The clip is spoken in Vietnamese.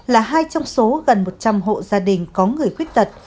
là hai trong số gần một trăm linh hộ gia đình có người khuyết tật